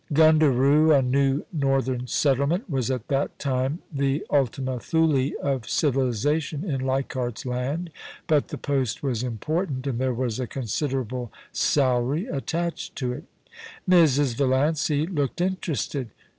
* Gundaroo, a new northern settlement, was at that time the Ultima Thule of civilisation in Leichardt's Land, but the post was important, and there was a considerable salary attached to it Mrs. Valiancy looked interested.